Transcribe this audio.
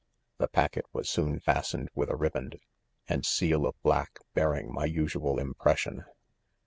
c The packet was soon fastened with a rib and, and seal of Hack bearing' my usual im pression.